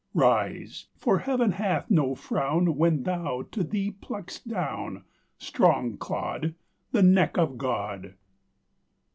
Rise; for Heaven hath no frown When thou to thee pluck'st down, Strong clod! The neck of God.